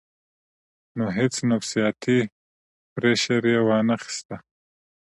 نو هېڅ نفسياتي پرېشر ئې وانۀ خستۀ -